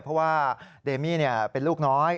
เพราะว่าเดมี่เป็นลูกน้อย